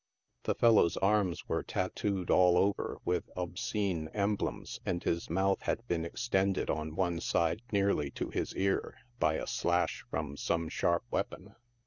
The fellow's arms were tattooed all over with obscene emblems, and his mouth had been extended on one side nearly to his ear, by a slash from some sharp weapon.